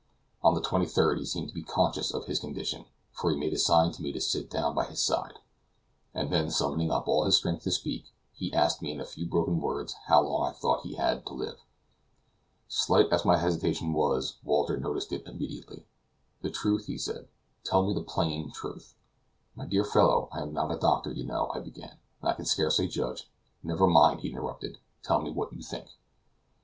On the 23d he seemed to be conscious of his condition, for he made a sign to me to sit down by his side, and then summoning up all his strength to speak, he asked me in a few broken words how long I thought he had to live? Slight as my hesitation was, Walter noticed it immediately. "The truth," he said; "tell me the plain truth." "My dear fellow, I am not a doctor, you know," I began, "and I can scarcely judge " "Never mind," he interrupted, "tell me just what you think."